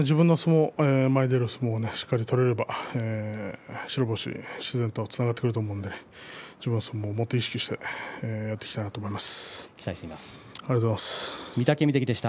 自分の前に出る相撲をしっかり取れれば白星、自然とつながっていくと思うのでその相撲を意識してやっていきたいなと思います。